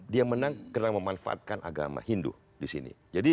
dia menang karena memanfaatkan agama hindu di sini